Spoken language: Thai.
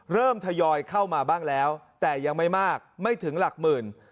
ทยอยเข้ามาบ้างแล้วแต่ยังไม่มากไม่ถึงหลักหมื่น